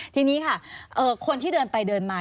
ทีนี้ค่ะคนที่เดินไปเดินมา